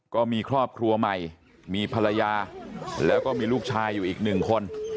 ก็มีครอบครัวใหม่มีภรรยาแล้วก็มีลูกชายอยู่อีกหนึ่งคน